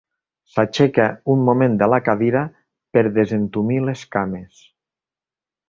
S'aixeca un moment de la cadira per desentumir les cames.